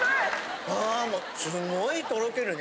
あもうすごいとろけるね。